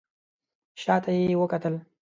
شا ته یې وکتل.